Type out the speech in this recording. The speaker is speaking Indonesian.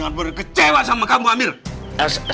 starin trong preachers orang tua seperti zitulah